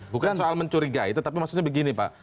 bukan soal mencurigai tetapi maksudnya begini pak